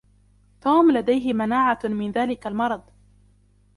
توم لديه مناعة من ذلك المرض.